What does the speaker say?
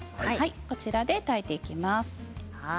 こちらで炊いていきます。